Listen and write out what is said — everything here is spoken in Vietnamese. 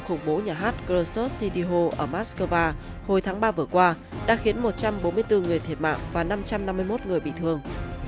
khủng bố nhà hát krosos cdiho ở moscow hồi tháng ba vừa qua đã khiến một trăm bốn mươi bốn người thiệt mạng và năm trăm năm mươi một người bị thương